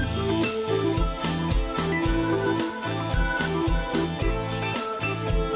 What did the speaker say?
สวัสดีค่ะ